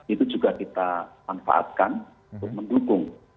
itu juga kita manfaatkan untuk mendukung